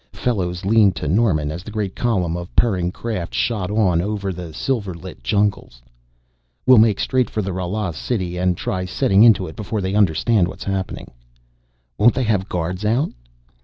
Fellows leaned to Norman as the great column of purring craft shot on over the silver lit jungles. "We'll make straight for the Rala city and try setting into it before they understand what's happening." "Won't they have guards out?"